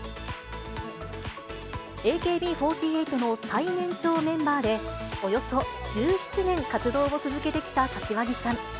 ＡＫＢ４８の最年長メンバーで、およそ１７年活動を続けてきた柏木さん。